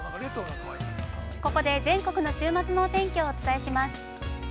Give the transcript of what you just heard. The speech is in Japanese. ◆ここで全国の週末のお天気をお伝えします。